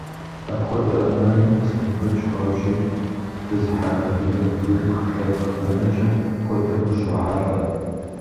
Апхуэдэ ӏэмалым Аслъэнбэч хуабжьу дэзыхьэх адыгэ бгырыпх лъэпкъ бэнэкӏэм куэдрэ ущрохьэлӏэ.